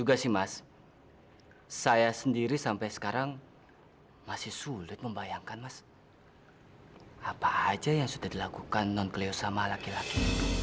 apa aja yang sudah dilakukan non kleosoma laki laki